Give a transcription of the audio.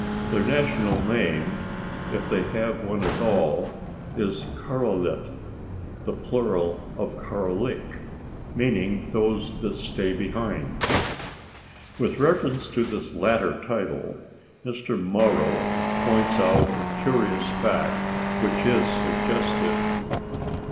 Their national name, if they have one at all, is "Karalit," the plural of "Karalik," meaning "those that stayed behind." With reference to this latter title, Mr. Morrow points out a curious fact, which is suggestive.